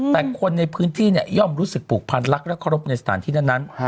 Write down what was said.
แต่คนในพื้นที่เนี่ยย่อมรู้สึกผูกพันรักและเคารพในสถานที่นั้น